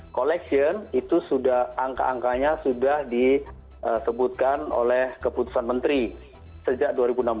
collection itu sudah angka angkanya sudah disebutkan oleh keputusan menteri sejak dua ribu enam belas